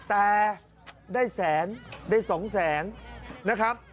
แต่ได้แสนได้๒แสนนะครับ